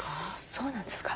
そうなんですか？